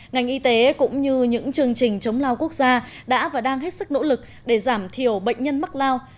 ngành y tế cũng như những chương trình chống lao quốc gia đã và đang hết sức nỗ lực để giảm thiểu bệnh nhân mắc lao